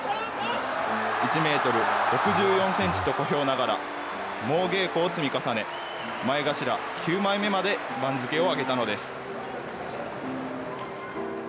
１メートル６４センチと小兵ながら、猛稽古を積み重ね、前頭９枚目まで番付を上げたのです。